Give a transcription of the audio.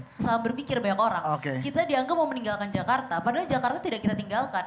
kesalahan berpikir banyak orang kita dianggap mau meninggalkan jakarta padahal jakarta tidak kita tinggalkan